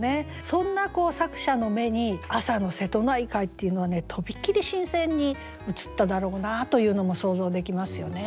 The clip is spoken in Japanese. そんな作者の目に朝の瀬戸内海っていうのはとびきり新鮮に映っただろうなというのも想像できますよね。